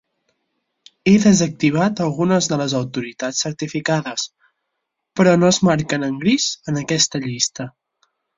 He desactivat algunes de les autoritats certificades, però no es marquen en gris en aquesta llista.